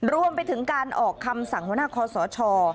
รวมไปถึงการออกคำสั่งหัวหน้าคอสช